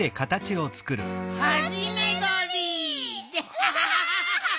ハジメどり！